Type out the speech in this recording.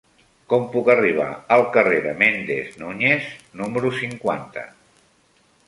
Com puc arribar al carrer de Méndez Núñez número cinquanta?